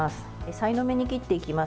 さいの目に切っていきます。